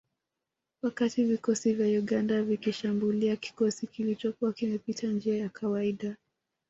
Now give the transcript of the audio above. Wakati vikosi vya Uganda vikikishambulia kikosi kilichokuwa kimepita njia ya kawaida